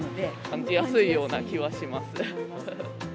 感じやすいような気はします。